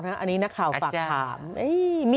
อันนี้นักข่าวฝากถาม